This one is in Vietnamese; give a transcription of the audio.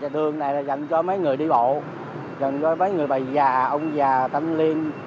đường này dành cho mấy người đi bộ dành cho mấy người bà già ông già tâm liên